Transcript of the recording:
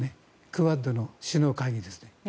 クアッドの首脳会議ですね。